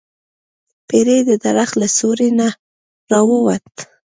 پیری د درخت له سوری نه راووت.